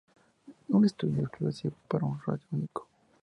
Un estudio exclusivo para una radio única.